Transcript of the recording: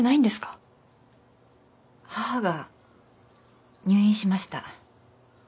母が入院しました。